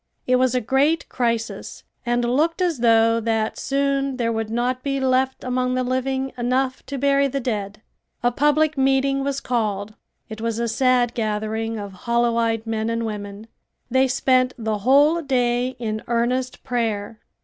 It was a great crisis and looked as though that soon there would not be left among the living enough to bury the dead. A public meeting was called. It was a sad gathering of hollow eyed men and women. They spent the whole day in earnest prayer.